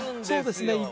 そうですね